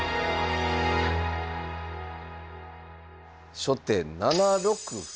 初手７六歩。